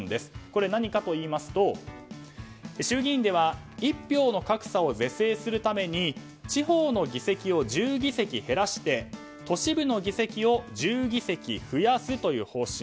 これは何かというと衆議院では一票の格差を是正するために地方の議席を１０議席減らして都市部の議席を１０議席増やすという方針。